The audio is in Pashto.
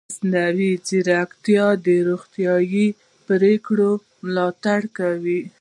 مصنوعي ځیرکتیا د روغتیايي پریکړو ملاتړ کوي.